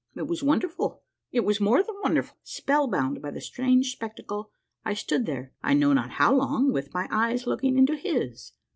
It was wonderful, it was more than wonderful ! Spellbound by the strange spectacle, I stood there, I know not how long, with my eyes looking into his.